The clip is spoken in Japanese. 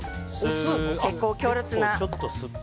結構強烈な。